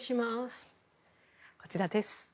こちらです。